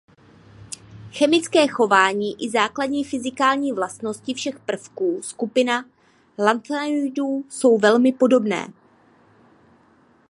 Chemické chování i základní fyzikální vlastnosti všech prvků skupina lanthanoidů jsou velmi podobné.